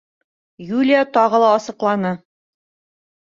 Юлия тағы ла асыҡланы: